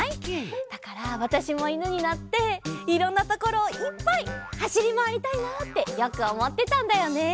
だからわたしもいぬになっていろんなところをいっぱいはしりまわりたいなあってよくおもってたんだよね。